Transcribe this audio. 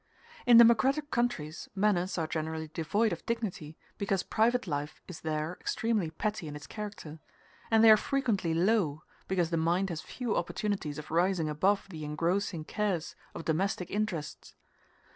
In democratic countries manners are generally devoid of dignity, because private life is there extremely petty in its character; and they are frequently low, because the mind has few opportunities of rising above the engrossing cares of domestic interests.